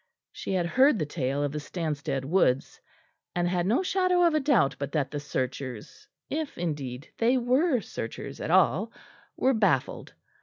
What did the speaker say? She had heard the tale of the Stanstead woods, and had no shadow of doubt but that the searchers, if, indeed, they were searchers at all, were baffled.